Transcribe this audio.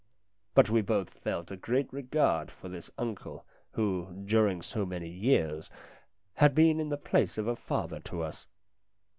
But we both felt a great regard for this uncle who, during so many years, had been in the place of a father to us.